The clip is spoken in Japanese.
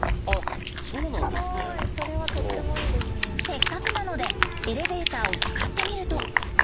せっかくなのでエレベーターを使ってみると。